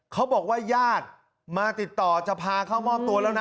เขาบอกว่าญาติมาติดต่อจะพาเข้ามอบตัวแล้วนะ